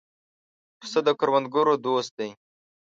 پسه د کروندګرو دوست دی.